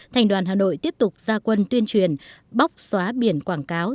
thành đoàn hà nội tiếp tục ra quân tuyên truyền bóc xóa biển quảng cáo